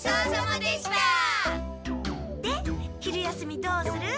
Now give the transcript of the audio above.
で昼休みどうする？